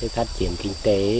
phát triển kinh tế